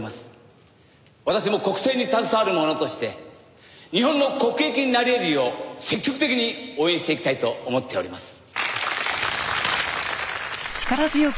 私も国政に携わる者として日本の国益になり得るよう積極的に応援していきたいと思っております。